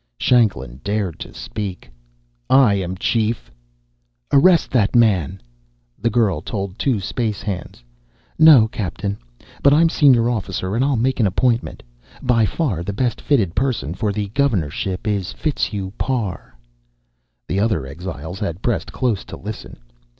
Shanklin dared to speak: "I am chief " "Arrest that man," the girl told two space hands. "No, Captain. But I'm senior officer, and I'll make an appointment. By far the best fitted person for the governorship is Fitzhugh Parr." The other exiles had pressed close to listen.